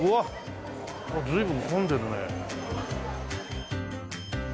随分混んでるね。